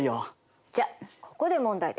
じゃここで問題です。